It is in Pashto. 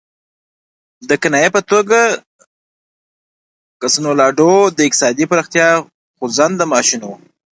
د کنایې په توګه کنسولاډو د اقتصادي پراختیا خوځنده ماشین وو.